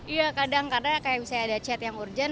iya kadang karena kayak misalnya ada chat yang urgent